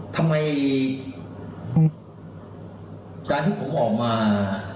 ทำไมการที่ผมออกมา